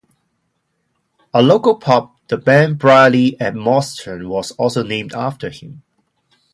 A local pub, the Ben Brierley at Moston, was also named after him.